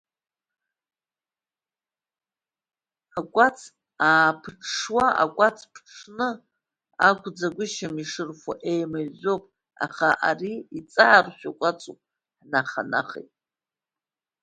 Акәац ааԥҽҽуа акәац ԥҽны акәӡагәышьам ишырфо еимыжәжәоуп, аха ари иҵааршәу кәацуп ҳнаха-нахеит.